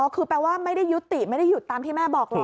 คือแปลว่าไม่ได้ยุติไม่ได้หยุดตามที่แม่บอกหรอก